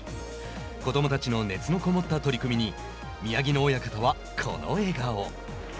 子どもたちの熱のこもった取組に宮城野親方は、この笑顔。